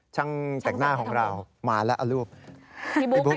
ช่างแต่งหน้าของเรามีถังน้ำมนต์